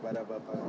dan saya banggakan